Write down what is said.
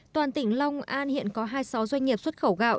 toàn tỉnh long an hiện có hai mươi sáu doanh nghiệp xuất khẩu gạo